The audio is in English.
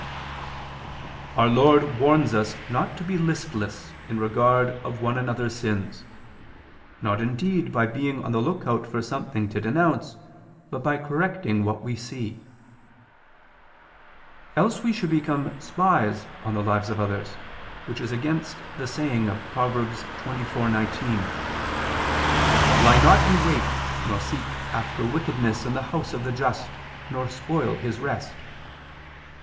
xvi, 1) that "Our Lord warns us not to be listless in regard of one another's sins: not indeed by being on the lookout for something to denounce, but by correcting what we see": else we should become spies on the lives of others, which is against the saying of Prov. 24:19: "Lie not in wait, nor seek after wickedness in the house of the just, nor spoil his rest."